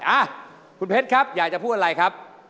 อ่ะคุณเพชรครับอยากจะพูดอะไรครับ